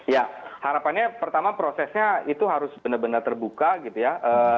ya harapannya pertama prosesnya itu harus benar benar terbuka gitu ya